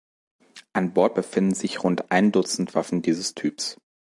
An Bord befinden sich rund ein Dutzend Waffen dieses Typs.